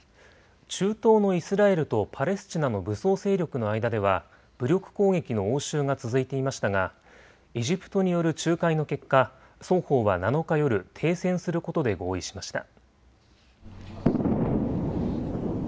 中東のイスラエルとパレスチナの武装勢力の間では武力攻撃の応酬が続いていましたがエジプトによる仲介の結果、双方は７日夜、停戦することで合意しました。